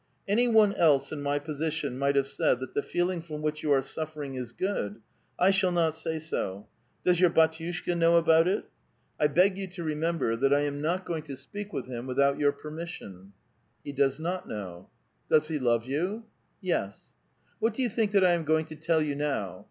" Any one else in my place might have said that the feeling from which you are suffering is good. I shall not say so. Does your bdtiushka know about it? I beg you to remember 404 A VITAL QUESTION. that I am not goiug to speak with him without your permis Bion." '*IIe docs not know." '' Does he love you ?"'' Yes." " What do you think that I am going to tell you now?